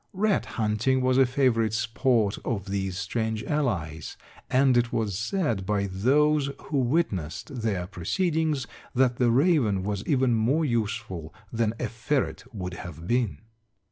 Rat hunting was a favorite sport of these strange allies, and it was said by those who witnessed their proceedings that the raven was even more useful than a ferret would have been."